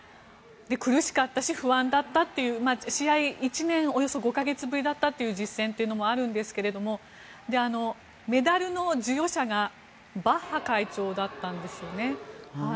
苦しかったし、不安だったって試合、１年およそ５か月ぶりの実戦というのもあるんですけれどもメダルの授与者がバッハ会長だったんですよね。